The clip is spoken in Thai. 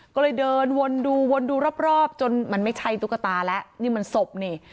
ก็เลยเดินวนดูวนดูรอบจนมันไม่ใช่ตุ๊กตาแล้วนี่มันศพนี่